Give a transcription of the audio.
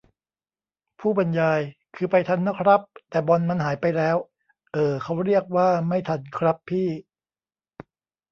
ผู้บรรยาย :"คือไปทันนะครับ แต่บอลมันหายไปแล้ว" เอ่อ เค้าเรียกว่าไม่ทันครับพี่